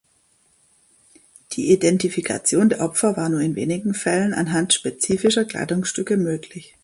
Die Identifikation der Opfer war nur in wenigen Fällen anhand spezifischer Kleidungsstücke möglich.